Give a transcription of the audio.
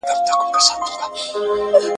هغه سیمي د کشمیر تر څنګ پرتې دي.